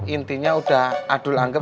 intinya udah adul anggap